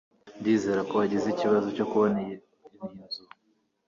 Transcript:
Ndizera ko wagize ikibazo cyo kubona iyi nzu.